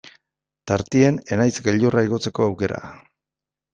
Tartean Enaitz gailurra igotzeko aukera.